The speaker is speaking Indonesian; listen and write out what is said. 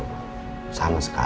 sama sekali apalagi sengaja